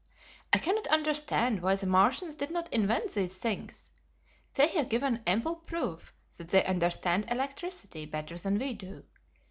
"I cannot understand why the Martians did not invent these things. They have given ample proof that they understand electricity better than we do.